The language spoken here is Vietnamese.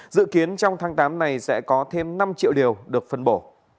dự kiến trong tháng tám này sẽ có thêm năm triệu liều được phân bổ